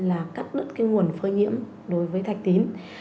là cắt đứt cái nguồn phơi nhiễm đối với thạch tín